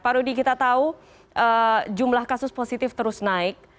pak rudy kita tahu jumlah kasus positif terus naik